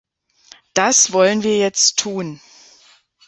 Das wollen wir jetzt tun.